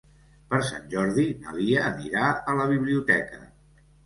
Per Sant Jordi na Lia anirà a la biblioteca.